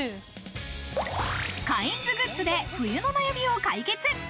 カインズグッズで冬の悩みを解決。